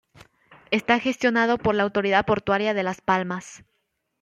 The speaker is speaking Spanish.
Está gestionado por la Autoridad Portuaria de Las Palmas.